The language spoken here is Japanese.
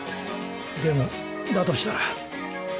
でもだとしたら。